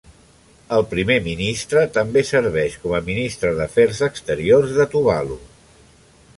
El Primer Ministre també serveix com a ministre d'Afers exteriors de Tuvalu.